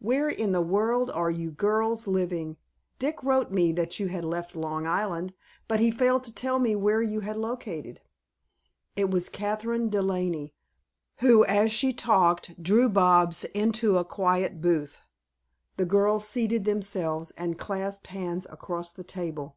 Where in the world are you girls living? Dick wrote me that you had left Long Island, but he failed to tell me where you had located?" It was Kathryn De Laney who, as she talked, drew Bobs into a quiet booth. The girls seated themselves and clasped hands across the table.